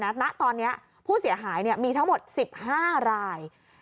ณตอนนี้ผู้เสียหายมีทั้งหมด๑๕ราย